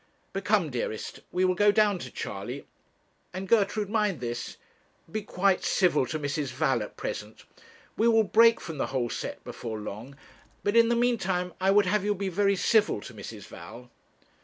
But come, dearest, we will go down to Charley. And Gertrude, mind this, be quite civil to Mrs. Val at present. We will break from the whole set before long; but in the meantime I would have you be very civil to Mrs. Val.'